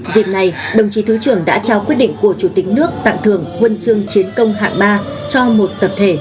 dịp này đồng chí thứ trưởng đã trao quyết định của chủ tịch nước tặng thưởng huân chương chiến công hạng ba cho một tập thể